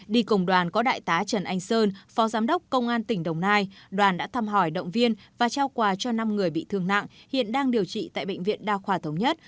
đi cùng đoàn có đại tá trần anh sơn phó giám đốc công an tỉnh đồng nai đoàn đã thăm hỏi động viên và trao quà cho năm người bị thương nặng hiện đang điều trị tại bệnh viện đa khoa thống nhất